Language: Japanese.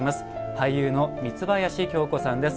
俳優の三林京子さんです。